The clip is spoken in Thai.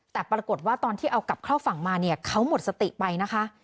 แต่ปรากฏว่าตอนที่เอากลับเข้าฝั่งมาเนี่ยเขาหมดสติไปนะคะ